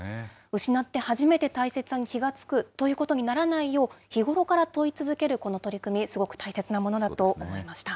失って初めて大切さに気が付くということにならないよう、日頃から問い続けるこの取り組み、すごく大切なものだと思いました。